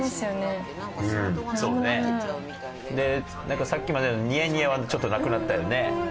なんかさっきまでのニヤニヤはちょっとなくなったよね。